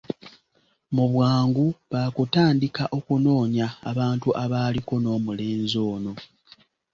Mu bwangu baakutandika okunoonya abantu abaaliko n'omulenzi ono.